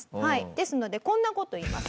ですのでこんな事言います。